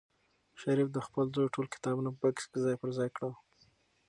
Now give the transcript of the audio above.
شریف د خپل زوی ټول کتابونه په بکس کې ځای پر ځای کړل.